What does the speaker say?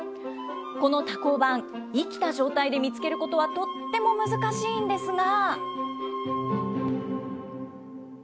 この多孔板、生きた状態で見つけることはとっても難しいんですが。